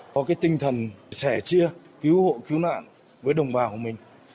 có cái tinh thần sẻ chia cứu hộ cứu nạn với đồng bào của mình